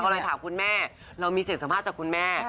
ก็เลยถามคุณแม่เรามีเสียงสัมภาษณ์จากคุณแม่